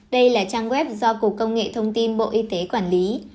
đây là trang web do cục công nghệ thông tin bộ y tế quản lý